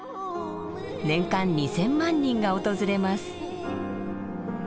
年間２，０００万人が訪れます。